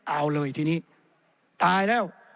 เอาเลยทีนี้ตายแล้ว